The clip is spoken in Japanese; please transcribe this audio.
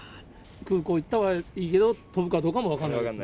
空港行ったはいいけど、飛ぶかどうかも分からない？